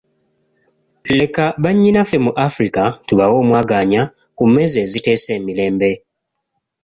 Leka bannyinaffe mu Afrika tubawe omwagaanya ku mmeeza eziteesa emirembe.